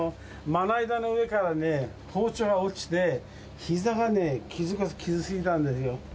まな板の上からね、包丁が落ちて、ひざがね、傷ついたんですよ。